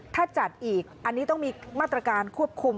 ถ้าจัดอีกอันนี้ต้องมีมาตรการควบคุม